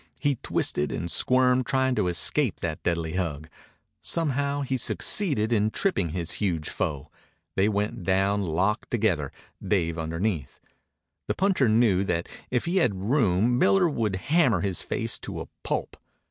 He twisted and squirmed, trying to escape that deadly hug. Somehow he succeeded in tripping his huge foe. They went down locked together, Dave underneath. The puncher knew that if he had room Miller would hammer his face to a pulp.